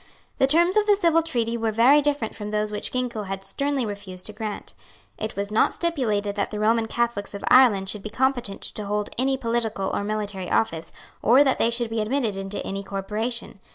The terms of the civil treaty were very different from those which Ginkell had sternly refused to grant. It was not stipulated that the Roman Catholics of Ireland should be competent to hold any political or military office, or that they should be admitted into any corporation.